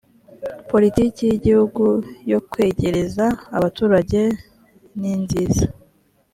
politiki y igihugu yo kwegereza abaturage ninziza